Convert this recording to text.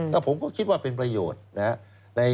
ก็ผมก็คิดว่าเป็นประโยชน์นะ